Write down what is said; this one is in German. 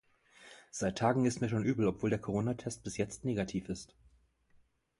Seit Tagen ist mir schon übel, obwohl der Coronatest bis jetzt negativ ist!